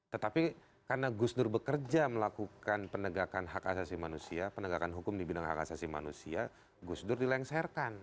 tetapi karena gusdur bekerja melakukan penegakan hak asasi manusia penegakan hukum di bidang hak asasi manusia gusdur dilengsarkan